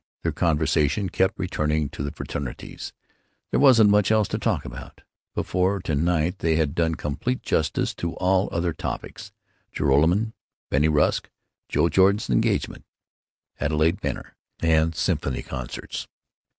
Their conversation kept returning to the fraternities. There wasn't much else to talk about. Before to night they had done complete justice to all other topics—Joralemon, Bennie Rusk, Joe Jordan's engagement, Adelaide Benner, and symphony concerts.